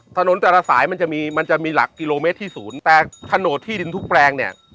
ถนนแต่ละสายมันจะมีหลักกิโลเมตรที่สูงแต่ถนนที่ดินทุกแปลง